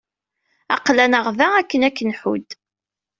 Aql-aneɣ da akken ad k-nḥudd.